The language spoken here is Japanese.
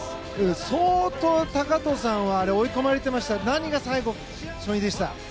相当、高藤さんは追い込まれてましたが何が最後、勝因でした？